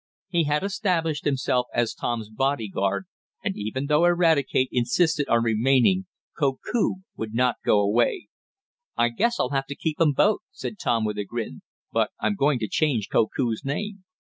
He had established himself as Tom's bodyguard and even though Eradicate insisted on remaining, Koku would not go away. "I guess I'll have to keep 'em both," said Tom, with a grin, "but I'm going to change Koku's name."